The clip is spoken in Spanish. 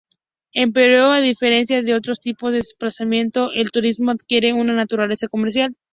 Empero, a diferencia de otros tipos de desplazamiento, el turismo adquiere una naturaleza comercial.